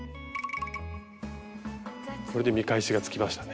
これで見返しがつきましたね。